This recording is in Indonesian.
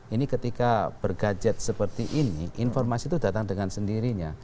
ini ketika bergadget seperti ini informasi itu datang dengan sendirinya